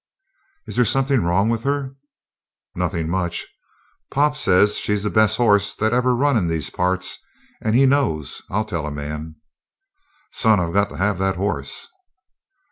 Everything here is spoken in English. "Is there something wrong with her?" "Nothin' much. Pop says she's the best hoss that ever run in these parts. And he knows, I'll tell a man!" "Son, I've got to have that horse!"